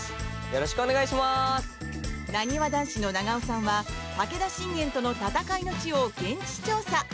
なにわ男子の長尾さんは武田信玄との戦いの地を現地調査。